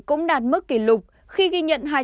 cũng đạt mức kỷ lục khi ghi nhận